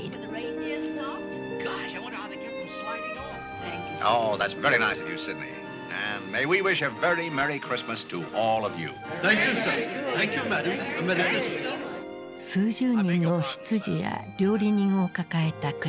数十人の執事や料理人を抱えた暮らし。